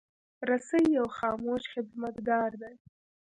رسۍ یو خاموش خدمتګار دی.